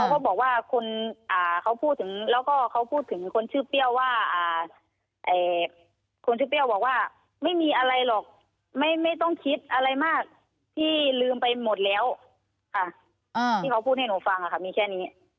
เขาบอกว่าคนเขาพูดถึงแล้วก็เขาพูดถึงคนชื่อเปรี้ยวว่าคนชื่อเปรี้ยวบอกว่าไม่มีอะไรหรอกไม่ต้องคิดอะไรมากพี่ลืมไปหมดแล้วค่ะที่เขาพูดให้หนูฟังค่ะมีแค่นี้